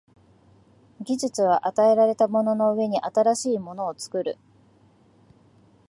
技術は与えられたものの上に新しいものを作る。